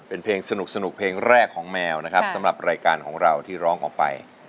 เป็นเพลงสนุกเพลงแรกของแมวนะครับสำหรับรายการของเราที่ร้องออกไป